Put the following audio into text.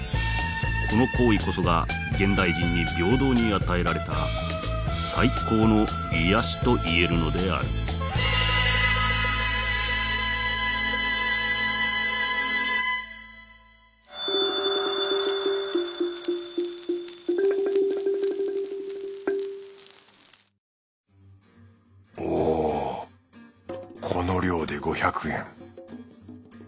この行為こそが現代人に平等に与えられた最高の癒やしといえるのであるおこの量で５００円。